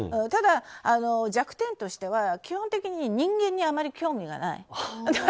ただ、弱点としては基本的に人間にあまり興味がない。